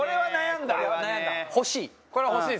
欲しい？